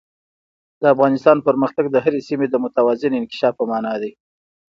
د افغانستان پرمختګ د هرې سیمې د متوازن انکشاف په مانا دی.